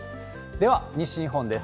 では、西日本です。